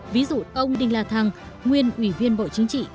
ví dụ ông đinh la thăng nguyên ủy viên bộ chính trị